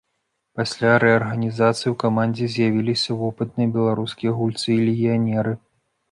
Пасля рэарганізацыі ў камандзе з'явіліся вопытныя беларускія гульцы і легіянеры.